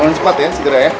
jangan cepat ya segera ya